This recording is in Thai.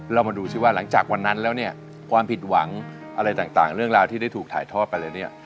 เรามาดูซิว่าหลังจากวันนั้นแล้วเนี่ยความผิดหวังอะไรต่างเรื่องราวที่ได้ถูกถ่ายทอดไปแล้วเนี่ย